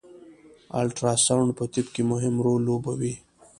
الټراساونډ په طب کی مهم رول لوبوي